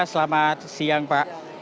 selamat siang pak